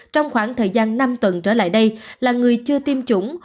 trong khoảng thời gian năm tuần trở lại đây là người chưa tiêm chủng